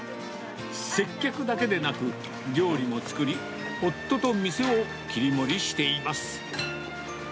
接客だけでなく、料理も作り、夫と店を切り盛りしています。